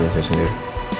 hidupnya saya sendiri